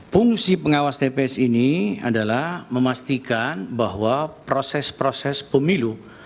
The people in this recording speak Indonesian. fungsi pengawas tps ini adalah memastikan bahwa proses proses pemilu